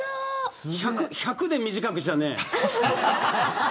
１００で短くしたね。